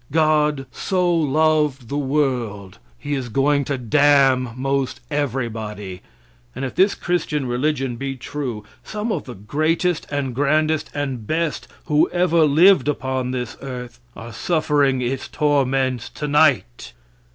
"God so loved the world" He is going to damn most everybody, and, if this Christian religion be true, some of the greatest, and grandest, and best who ever lived upon this earth, are suffering its torments tonight.